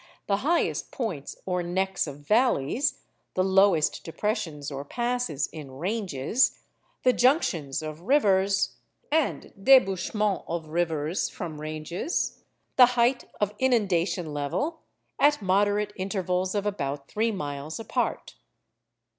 —the highest points or necks of valleys; the lowest depressions or passes in ranges; the junctions of rivers, and débouchements of rivers from ranges; the height of inundation level, at moderate intervals of about three miles apart.